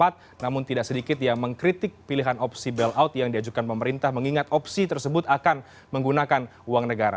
namun tidak sedikit yang mengkritik pilihan opsi bailout yang diajukan pemerintah mengingat opsi tersebut akan menggunakan uang negara